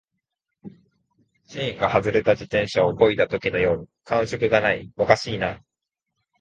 チェーンが外れた自転車を漕いだときのように感触がない、おかしいな